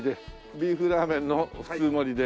ビーフラーメンの普通盛りで。